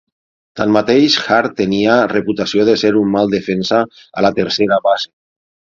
Tanmateix, Hart tenia reputació de ser un mal defensa a la tercera base.